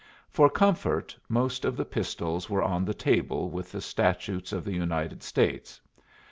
For comfort, most of the pistols were on the table with the Statutes of the United States.